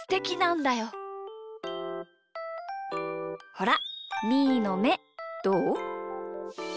ほらみーのめどう？